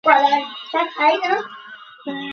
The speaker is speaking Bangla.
সত্যি বলতে, হ্যাঁ, আমার মাথা এখনো ঠান্ডা হয়নি।